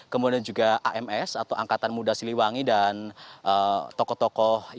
kemudian juga ams atau angkatan muda siliwangi dan tokoh tokoh